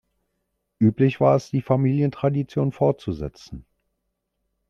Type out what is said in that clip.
Üblich war es, die Familientradition fortzusetzen.